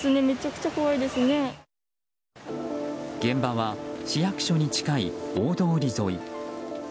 現場は市役所に近い大通り沿い。